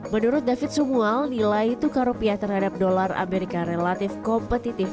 menurut david sumual nilai tukar rupiah terhadap dolar amerika relatif kompetitif